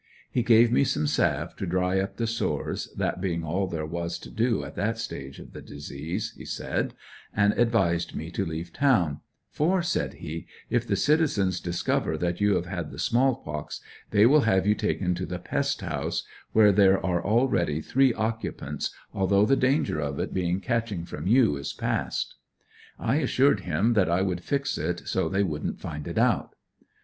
He gave me some salve to dry up the sores, that being all there was to do at that stage of the disease, he said, and advised me to leave town, for said he: "If the citizens discover that you have had the small pox, they will have you taken to the pest house, where there are already three occupants, although the danger of it being catching from you is past." I assured him that I would fix it so they wouldn't find it out.